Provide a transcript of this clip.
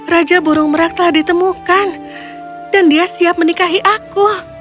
raja burung merak telah ditemukan dan dia siap menikahi aku